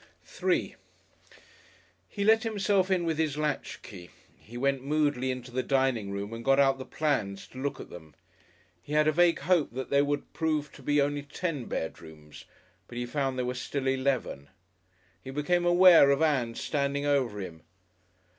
§3 He let himself in with his latchkey. He went moodily into the dining room and got out the plans to look at them. He had a vague hope that there would prove to be only ten bedrooms. But he found there were still eleven. He became aware of Ann standing over him.